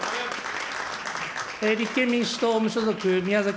立憲民主党・無所属、宮崎